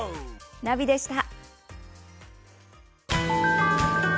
ナビでした。